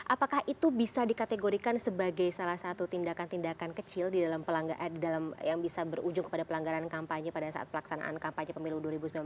apakah itu bisa dikategorikan sebagai salah satu tindakan tindakan kecil yang bisa berujung kepada pelanggaran kampanye pada saat pelaksanaan kampanye pemilu dua ribu sembilan belas